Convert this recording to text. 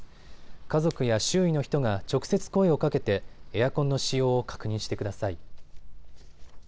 家族や周囲の人が直接声をかけてエアコンの使用を確認してください。